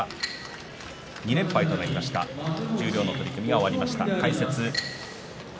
十両の取組が終わりました。